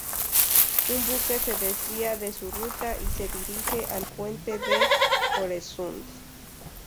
Un buque se desvía de su ruta y se dirige al Puente de Øresund.